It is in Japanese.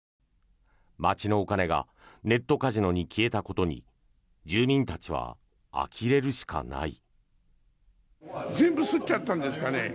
町のお金がネットカジノに消えたことに住民たちはあきれるしかない。